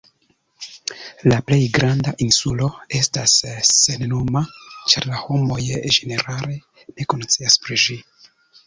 La plej granda insulo estas sennoma, ĉar la homoj ĝenerale ne konscias pri ĝi.